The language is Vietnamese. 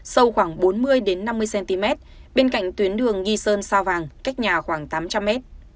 sâu khoảng bốn mươi năm mươi cm bên cạnh tuyến đường nghi sơn sao vàng cách nhà khoảng tám trăm linh m